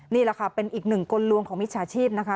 นี่แหละค่ะเป็นอีกหนึ่งกลลวงของมิจฉาชีพนะคะ